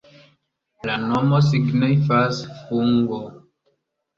La nomo signifas: fungo.